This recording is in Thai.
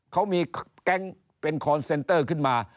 เขามีแก๊งเป็นคอนเซนเตอร์ขึ้นมา